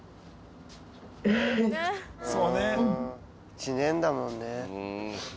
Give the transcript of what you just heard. １年だもんね。